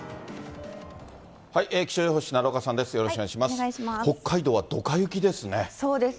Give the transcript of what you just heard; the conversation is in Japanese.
気象予報士、奈良岡さんです。